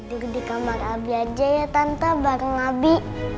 tidur di kamar abi aja ya tante bareng abi